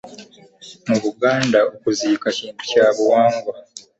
Mu Buganda okuziika kintu kya buwangwa.